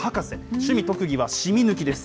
趣味、特技は染み抜きです。